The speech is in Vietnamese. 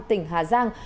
tỉnh hà giang